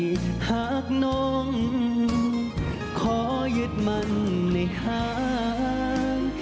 หากน้องขอยึดมันในห่าง